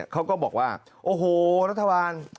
เขาก็บอกว่าโอ้โหรัฐบาล